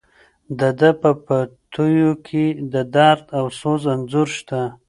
د ده په بیتونو کې د درد او سوز انځور شته.